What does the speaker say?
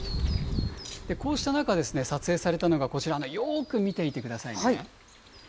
こうした中、撮影されたのがこちら、よーく見ていてくださいね。